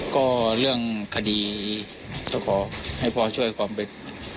ก็เรื่องคดีก็ขอให้พ่อช่วยความเป็น